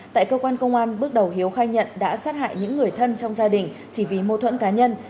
tại cơ quan công an bước đầu hiếu khai nhận đã sát hại những người thân trong gia đình chỉ vì mâu thuẫn cá nhân